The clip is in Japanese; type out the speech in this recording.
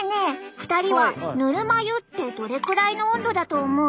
２人はぬるま湯ってどれくらいの温度だと思う？